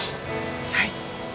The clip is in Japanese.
はい。